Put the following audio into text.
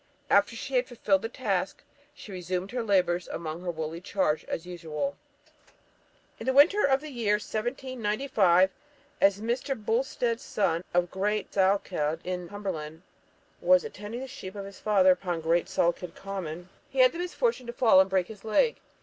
After she had fulfilled this task, she resumed her labours among her woolly charge as usual." In the winter of the year 1795, as Mr. Boulstead's son, of Great Salkeld, in Cumberland, was attending the sheep of his father upon Great Salkeld Common, he had the misfortune to fall and break his leg.